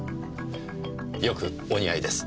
よくお似合いです。